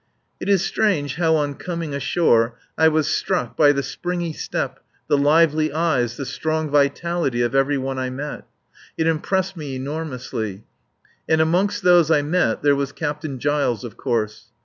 It is strange how on coming ashore I was struck by the springy step, the lively eyes, the strong vitality of every one I met. It impressed me enormously. And amongst those I met there was Captain Giles, of course.